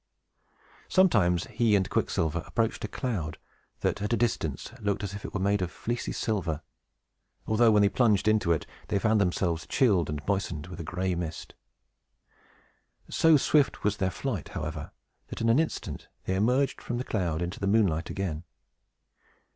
Sometimes he and Quicksilver approached a cloud that, at a distance, looked as if it were made of fleecy silver; although, when they plunged into it, they found themselves chilled and moistened with gray mist. So swift was their flight, however, that, in an instant, they emerged from the cloud into the moonlight again.